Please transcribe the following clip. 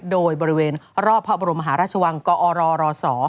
โดยบริเวณรอบพระบรมหาราชวังกอรรศ